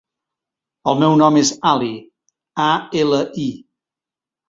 El meu nom és Ali: a, ela, i.